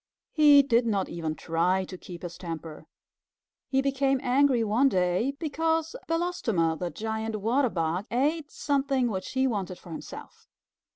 He did not even try to keep his temper. He became angry one day because Belostoma, the Giant Water Bug, ate something which he wanted for himself.